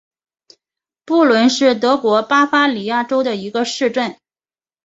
布伦是德国巴伐利亚州的一个市镇。